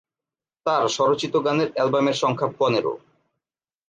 তার স্বরচিত গানের অ্যালবামের সংখ্যা পনেরো।